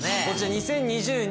こちら２０２０年